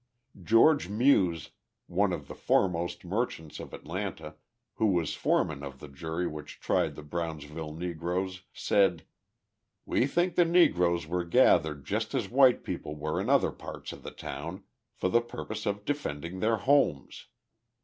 George Muse, one of the foremost merchants of Atlanta, who was foreman of the jury which tried the Brownsville Negroes, said: "We think the Negroes were gathered just as white people were in other parts of the town, for the purpose of defending their homes.